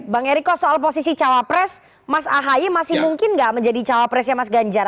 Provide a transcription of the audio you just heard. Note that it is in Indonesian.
bang eriko soal posisi cawapres mas ahaye masih mungkin nggak menjadi cawapresnya mas ganjar